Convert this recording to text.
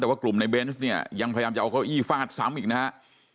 แต่ว่ากลุ่มในเบนส์เนี่ยยังพยายามจะเอาเก้าอี้ฟาดซ้ำอีกนะฮะ